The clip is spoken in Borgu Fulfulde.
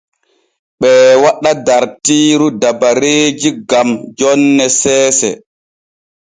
Ɓee waɗa dartiiru dabareeji gam jonne seese.